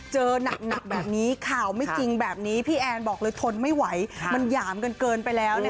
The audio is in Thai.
เจอหนักแบบนี้ข่าวไม่จริงแบบนี้พี่แอนบอกเลยทนไม่ไหวมันหยามกันเกินไปแล้ว